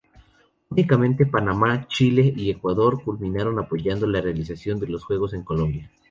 Únicamente Panamá, Chile y Ecuador culminaron apoyando la realización de los juegos en Colombia.